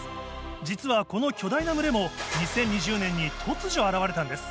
実はこの巨大な群れも２０２０年に突如現れたんです。